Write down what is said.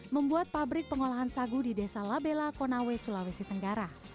membuat pabrik pengolahan sagu di desa labella konawe sulawesi tenggara